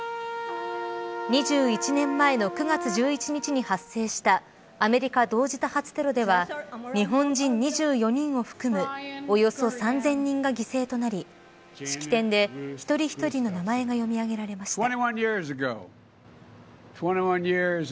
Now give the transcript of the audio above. ２１年前の９月１１日に発生したアメリカ同時多発テロでは日本人、２４人を含むおよそ３０００人が犠牲となり式典で一人一人の名前が読み上げられました。